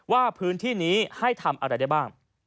ว่าพื้นที่นี้ให้ทำอะไรได้บ้าง